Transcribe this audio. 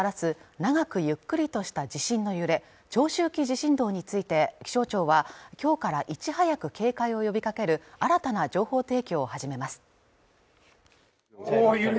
長くゆっくりとした地震の揺れ長周期地震動について気象庁はきょうからいち早く警戒を呼びかける新たな情報提供を始めます